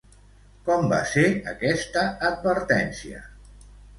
Com va ser aquesta advertència?